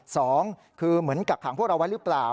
สองคือเหมือนกักขังพวกเราไว้หรือเปล่า